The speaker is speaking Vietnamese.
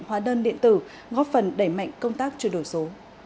hóa đơn điện tử góp phần đẩy mạnh công tác chuyển đổi số